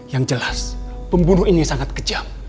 yang jelas pembunuh ini sangat kejam